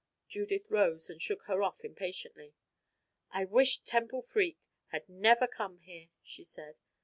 Judith rose and shook her off impatiently. "I wish Temple Freke had never come here," she said.